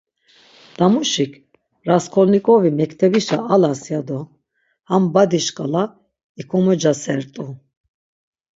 Damuşik, Rasǩolnikovi mektebişa alas, yado ham badi şǩala ikomocasert̆u.